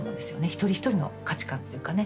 一人一人の価値観っていうかね